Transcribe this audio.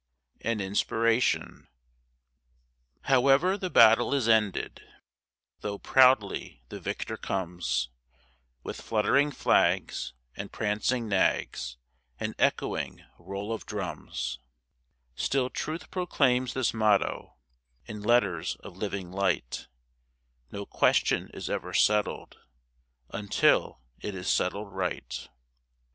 AN INSPIRATION However the battle is ended, Though proudly the victor comes With fluttering flags and prancing nags And echoing roll of drums, Still truth proclaims this motto In letters of living light,— No question is ever settled Until it is settled right.